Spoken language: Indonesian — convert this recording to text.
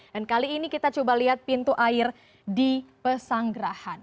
dan kali ini kita coba lihat pintu air di pesanggerahan